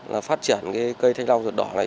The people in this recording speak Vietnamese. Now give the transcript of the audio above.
là phát triển cây thanh long ruột đỏ này